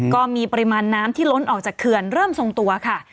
ก็มีปริมาณน้ำที่ล้นออกจากเขื่อนเริ่มทรงตัวค่ะ